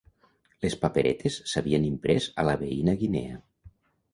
Les paperetes s'havien imprès a la veïna Guinea.